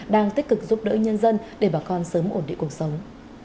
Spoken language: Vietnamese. đang tích cực giúp đỡ nhân dân để bà con sớm ổn định cuộc sống